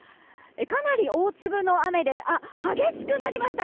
かなり大粒の雨であ、激しくなりました！